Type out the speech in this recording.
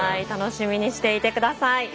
楽しみにしていてください。